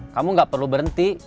kamu gak perlu berhenti